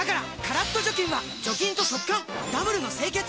カラッと除菌は除菌と速乾ダブルの清潔！